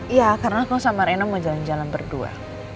iya karena aku sama reno mau jalan jalan berdua